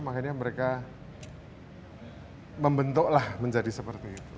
makanya mereka membentuklah menjadi seperti itu